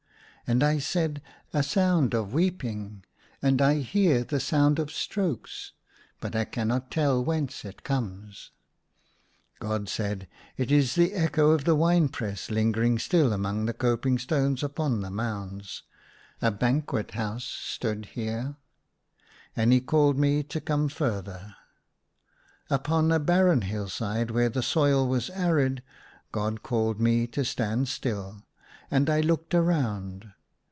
And I said, " A sound of weeping, and I hear the sound of strokes, but I cannot tell whence it comes." 154 THE SUNLIGHT LA Y God said, "It is the echo of the wine press Hngering still among the coping stones upon the mounds. A banquet house stood here." And he called me to come further. Upon a barren hill side, where the soil was arid, God called me to stand still. And I looked around.